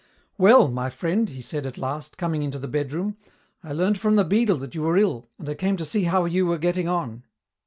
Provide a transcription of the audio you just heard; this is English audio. "Well, my friend," he said at last, coming into the bedroom, "I learned from the beadle that you were ill, and I came to see how you were getting on."